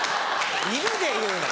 犬で言うな。